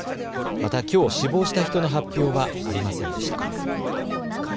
またきょう死亡した人の発表はありませんでした。